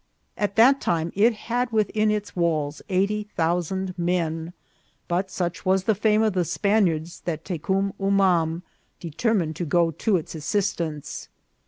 At that time it had within its walls eighty thousand men ; but such was the fame of the Spaniards that Tecum Umam determined to go to its assistance.